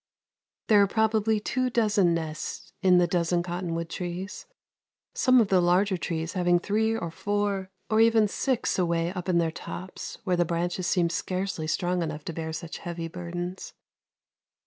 There are probably two dozen nests in the dozen cottonwood trees, some of the larger trees having three or four or even six away up in their tops where the branches seem scarcely strong enough to bear such heavy burdens.